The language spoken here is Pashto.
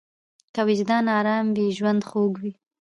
که وجدان ارام وي، ژوند خوږ وي.